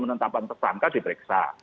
menetapan tersangka diperiksa